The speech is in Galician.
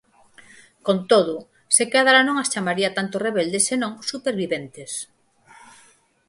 Con todo, se cadra non as chamaría tanto rebeldes senón superviventes.